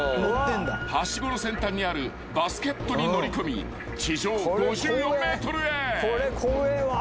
［はしごの先端にあるバスケットに乗り込み地上５４ｍへ］